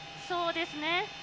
そうですね。